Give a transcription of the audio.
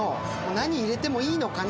何入れてもいいのかな？